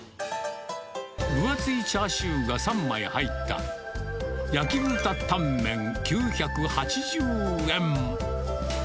分厚いチャーシューが３枚入った、焼豚タンメン９８０円。